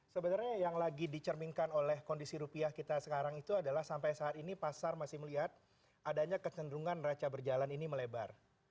sebenarnya yang lagi dicerminkan oleh kondisi rupiah kita sekarang itu adalah sampai saat ini pasar masih melihat adanya kecenderungan raca berjalan ini melebar